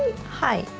はい。